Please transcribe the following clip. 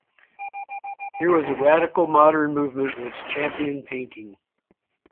Here was a radical, modern movement which championed painting.